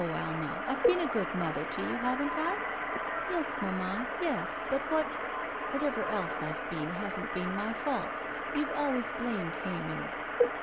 Alma, I've been a good mother to you, haven't I?" Yes, mamma, yes, but what —" 'Whatever else I've been hasn't been my fault — you've always blamed Heyman."